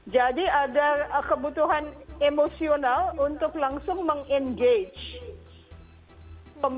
jadi ada kebutuhan emosional untuk langsung meng engage